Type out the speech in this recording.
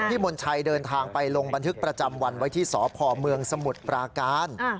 มณชัยเดินทางไปลงบันทึกประจำวันไว้ที่สพเมืองสมุทรปราการ